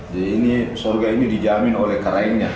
jadi ini sorga ini dijamin oleh karainya